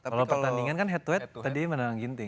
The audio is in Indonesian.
kalau pertandingan kan head to head tadi menenang ginting